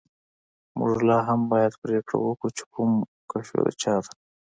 موږ لاهم باید پریکړه وکړو چې کوم کشو د چا ده